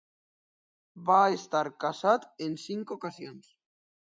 Va estar casat en cinc ocasions.